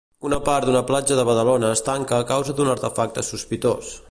Una part d'una platja de Badalona es tanca a causa d'un artefacte sospitós.